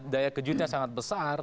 daya kejutnya sangat besar